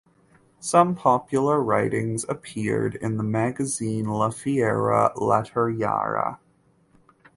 Some popular writings appeared in the magazine La Fiera Letteraria.